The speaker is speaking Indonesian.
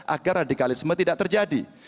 agar radikalisme tidak terjadi